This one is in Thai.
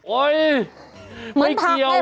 โอ้ยไม่เกี่ยว